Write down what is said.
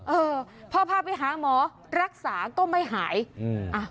เออพอพาไปหาหมอรักษาก็ไม่หายอืมอ่ะ